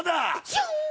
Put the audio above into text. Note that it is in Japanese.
シューン！